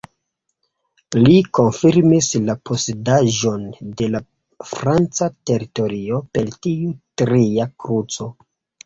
Li konfirmis la posedaĵon de la franca teritorio per tiu tria kruco.